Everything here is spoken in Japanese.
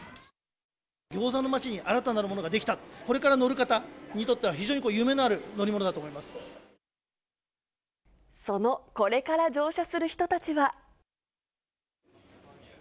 ギョーザの街に新たなるものが出来た、これから乗る方にとっては非常に夢のある乗り物だと思その、これから乗車する人たちは。